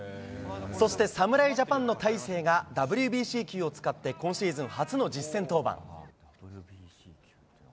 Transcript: そして、侍ジャパンの大勢がＷＢＣ球を使って今シーズン初の実戦登板。